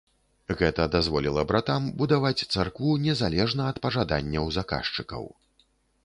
Гэта дазволіла братам будаваць царкву незалежна ад пажаданняў заказчыкаў.